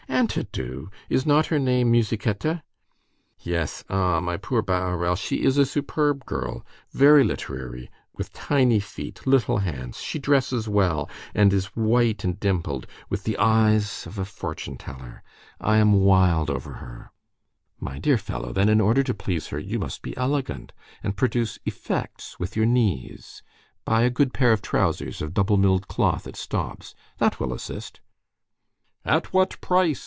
"And to do. Is not her name Musichetta?" "Yes. Ah! my poor Bahorel, she is a superb girl, very literary, with tiny feet, little hands, she dresses well, and is white and dimpled, with the eyes of a fortune teller. I am wild over her." "My dear fellow, then in order to please her, you must be elegant, and produce effects with your knees. Buy a good pair of trousers of double milled cloth at Staub's. That will assist." "At what price?"